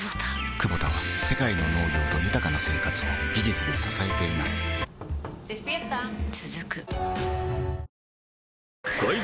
クボタは世界の農業と豊かな生活を技術で支えています起きて。